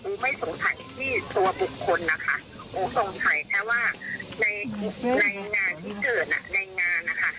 ไม่สงสัยที่ตัวบุคคลนะคะโอสงสัยแค่ว่าในในงานที่เกิดในงานนะคะ